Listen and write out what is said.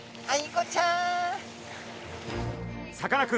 はい。